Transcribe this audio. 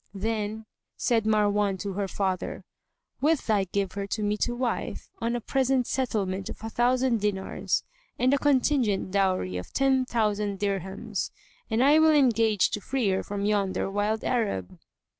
Then said Marwan to her father, 'Wilt thou give her to me to wife, on a present settlement of a thousand dinars and a contingent dowry of ten thousand dirhams,[FN#146] and I will engage to free her from yonder wild Arab!